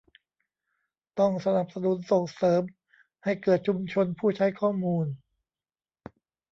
ต้องสนับสนุนส่งเสริมให้เกิดชุมชนผู้ใช้ข้อมูล